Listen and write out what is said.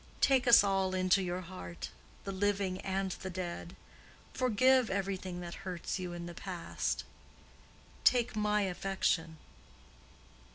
take us all into your heart—the living and the dead. Forgive every thing that hurts you in the past. Take my affection."